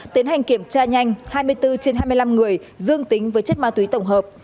tiến hành kiểm tra nhanh hai mươi bốn trên hai mươi năm người dương tính với chất ma túy tổng hợp